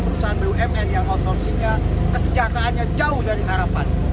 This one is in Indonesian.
perusahaan bumn yang outsourcingnya kesejahteraannya jauh dari harapan